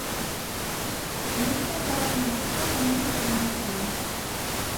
ئېلكىتاب لازىم بولسا مۇنۇ يەردىن چۈشۈرۈڭلار.